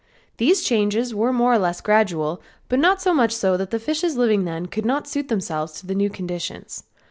These changes were more or less gradual, but not so much so that the fishes living then could not suit themselves to the new conditions.